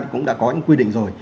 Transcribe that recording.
cũng đã có những quy định rồi